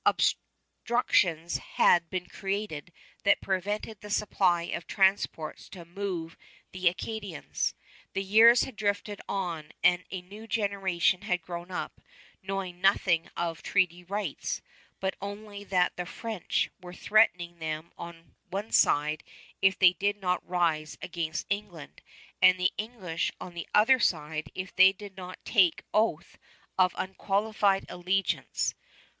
Obstructions had been created that prevented the supply of transports to move the Acadians. The years had drifted on, and a new generation had grown up, knowing nothing of treaty rights, but only that the French were threatening them on one side if they did not rise against England, and the English on the other side if they did not take oath of unqualified allegiance.